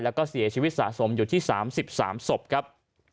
แล้วก็เสียชีวิตสะสมอยู่ที่๓๓ศพครับ